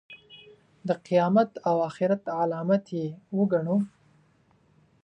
د قیامت او آخرت علامت یې وګڼو.